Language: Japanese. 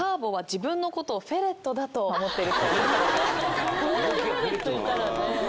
これだけフェレットいたらね。